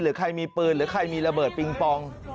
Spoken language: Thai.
หรือใครมีปืนหรือใครมีระเบิดปิงปอง